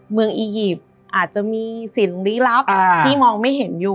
อียิปต์อาจจะมีสิ่งลี้ลับที่มองไม่เห็นอยู่